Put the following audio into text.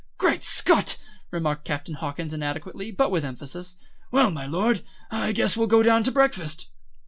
"Great Scott!" remarked Captain Hawkins inadequately, but with emphasis. "Well, my Lord, I guess we'll go down to breakfast."